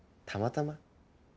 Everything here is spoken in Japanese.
たまたま？